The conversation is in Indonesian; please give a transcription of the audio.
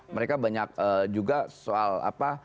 mereka banyak juga soal apa